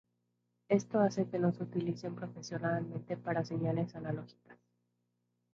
Esto hace que no se utilicen profesionalmente para señales analógicas.